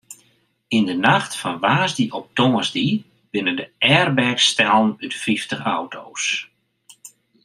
Yn de nacht fan woansdei op tongersdei binne de airbags stellen út fyftich auto's.